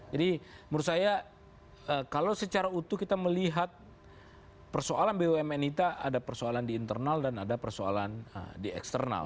jadi menurut saya kalau secara utuh kita melihat persoalan bumn kita ada persoalan di internal dan ada persoalan di eksternal